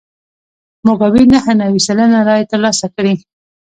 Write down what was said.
موګابي نهه نوي سلنه رایې ترلاسه کړې.